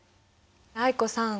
藍子さん。